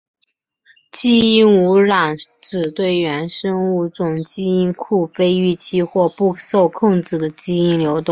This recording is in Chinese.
基因污染指对原生物种基因库非预期或不受控制的基因流动。